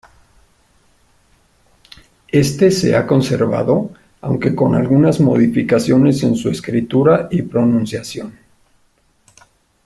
Éste se ha conservado aunque con algunas modificaciones en su escritura y pronunciación.